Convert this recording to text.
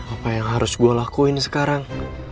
apa yang harus gue lakuin sekarang